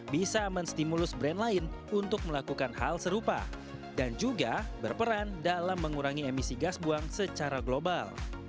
bisa menstimulus brand lain untuk melakukan hal serupa dan juga berperan dalam mengurangi emisi gas buang secara global